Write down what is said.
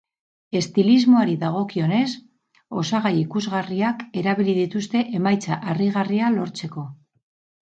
Estilismoari dagokionez, osagai ikusgarriak erabili dituzte emaitza harrigarria lortzeko.